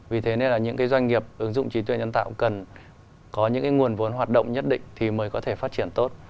vì thế nên là những cái doanh nghiệp ứng dụng trí tuệ nhân tạo cần có những cái nguồn vốn hoạt động nhất định thì mới có thể phát triển tốt